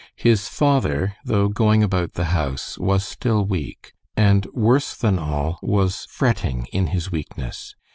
His father, though going about the house, was still weak, and worse than all, was fretting in his weakness.